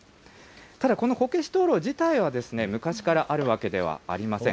ただこのこけし灯ろう自体は、昔からあるわけではありません。